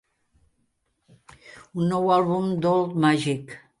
Un nou àlbum d'Old Magic.